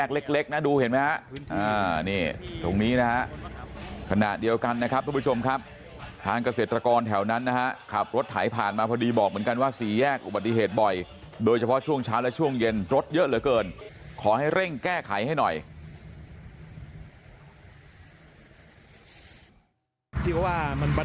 ครับผมเพราะว่ามันประเทศบ่อยผมไม่อยากบรรเทศครับ